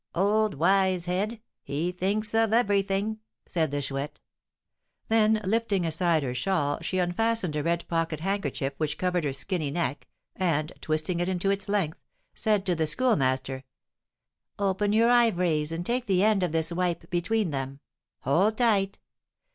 "Old wise head! he thinks of every thing!" said the Chouette. Then, lifting aside her shawl, she unfastened a red pocket handkerchief which covered her skinny neck, and, twisting it into its length, said to the Schoolmaster: "Open your ivories, and take the end of this 'wipe' between them. Hold tight!